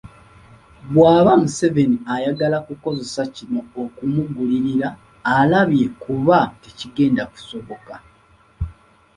Bw’aba Museveni ayagala kukozesa kino okumugulirira alabye kuba tekigenda kusoboka.